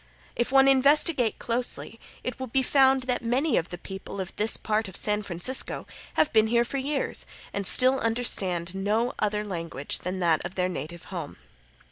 If one investigate closely it will be found that many of the people of this part of San Francisco have been here for years and still understand no other language than that of their native home.